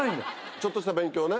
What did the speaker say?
ちょっとした勉強ね。